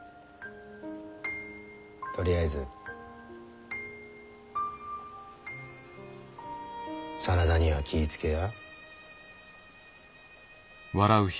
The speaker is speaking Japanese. とりあえず真田には気ぃ付けや。